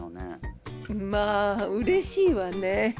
まあうれしいわね。